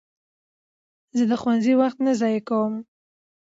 زه د ښوونځي وخت نه ضایع کوم.